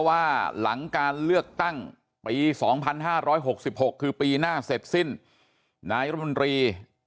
ว่าหลังการเลือกตั้งปี๒๕๖๖คือปีหน้าเสร็จสิ้นนายรมนตรี